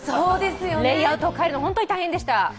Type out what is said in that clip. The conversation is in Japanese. レイアウトを変えるの、本当に大変でした！